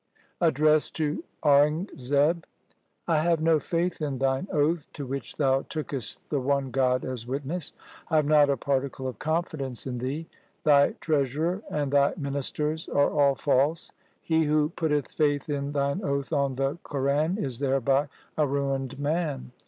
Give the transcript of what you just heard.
Address to Aurangzeb ' I have no faith in thine oath to which thou tookest the one God as witness. I have not a particle of confidence in thee. Thy treasurer and thy ministers are all false. He who putteth faith in thine oath on the Quran is thereby a ruined man.